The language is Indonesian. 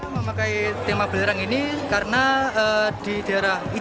saya memakai tema belerang ini karena di daerah ijen